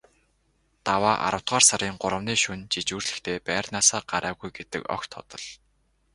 Даваа аравдугаар сарын гуравны шөнө жижүүрлэхдээ байрнаасаа гараагүй гэдэг огт худал.